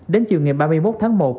đến chiều ngày ba mươi một tháng một